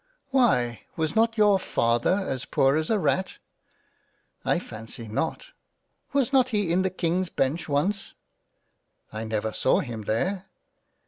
" Why, was not your Father as poor as a Rat ?"" I fancy not." " Was not he in the Kings Bench once ?"" I never saw him there."